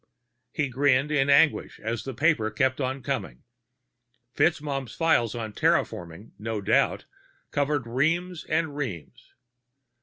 He grinned in anguish as the paper kept on coming. FitzMaugham's files on terraforming, no doubt, covered reams and reams.